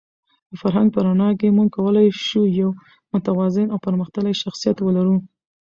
د فرهنګ په رڼا کې موږ کولای شو یو متوازن او پرمختللی شخصیت ولرو.